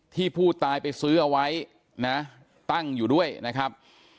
ที่ผู้ตายไปซื้อเอาไว้นะตั้งอยู่ด้วยนะครับ